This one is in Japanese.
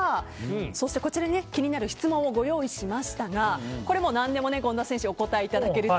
そして気になる質問をご用意しましたがこれ、何でも権田選手はお答えいただけると。